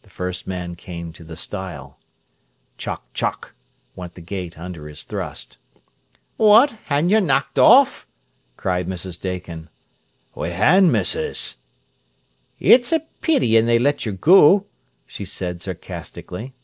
The first man came to the stile. "Chock chock!" went the gate under his thrust. "What, han' yer knocked off?" cried Mrs. Dakin. "We han, missis." "It's a pity as they letn yer goo," she said sarcastically.